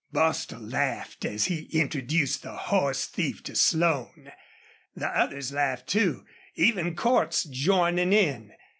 Bostil laughed as he introduced the horse thief to Slone. The others laughed, too, even Cordts joining in.